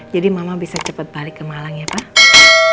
jadi mama bisa cepet balik ke malang ya pak